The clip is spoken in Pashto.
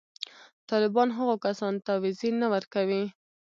طالبان هغو کسانو ته وېزې نه ورکوي.